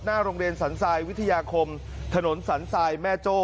โรงเรียนสันทรายวิทยาคมถนนสันทรายแม่โจ้